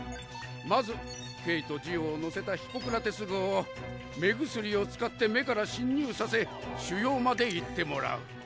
まずケイとジオを乗せたヒポクラテス号を目薬を使って目から侵入させ腫瘍まで行ってもらう。